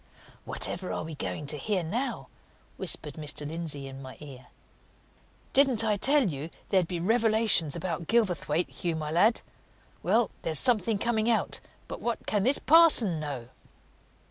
"Whatever are we going to hear now?" whispered Mr. Lindsey in my ear. "Didn't I tell you there'd be revelations about Gilverthwaite, Hugh, my lad? Well, there's something coming out! But what can this parson know?"